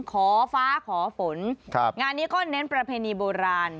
ขอฟ้าขอฝนงานนี้ก็เน้นประเพณีโบราณ